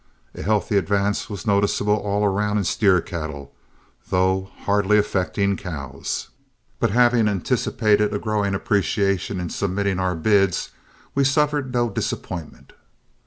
A healthy advance was noticeable all around in steer cattle, though hardly affecting cows; but having anticipated a growing appreciation in submitting our bids, we suffered no disappointment.